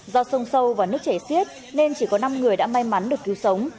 do sông sâu và nước chảy xiết nên chỉ có năm người đã may mắn được cứu sống